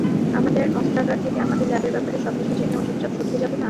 আমাদের অস্ত্রাগার থেকে আমাদের ল্যাবের ব্যাপারে সবকিছু জেনে ও চুপচাপ সটকে যাবে না!